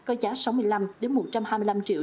có giá sáu mươi năm một trăm hai mươi năm triệu